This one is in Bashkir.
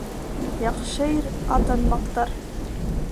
Яҡшы ир атын маҡтар